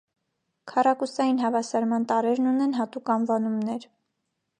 Քառակուսային հավասարման տարրերն ունեն հատուկ անվանումներ։